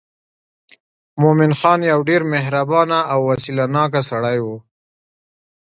مومن خان یو ډېر مهربانه او وسیله ناکه سړی و.